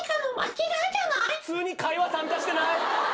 普通に会話参加してない！？